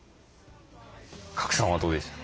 賀来さんはどうでした？